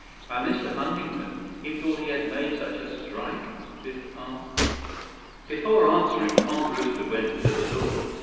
"And Mr. Huntington—he thought he had made such a strike?" Biff asked. Before answering, Tom Brewster went to the door.